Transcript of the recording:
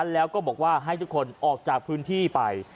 แล้วก็บอกว่าให้ทุกคนออกจากพื้นที่ไป